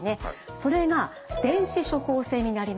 それが電子処方箋になりますと